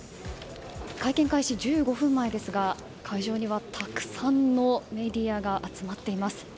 会見開始１５分前ですが会場にはたくさんのメディアが集まっています。